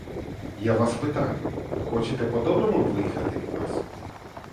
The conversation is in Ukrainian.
Я вас питаю: хочете по-доброму виїхати від нас?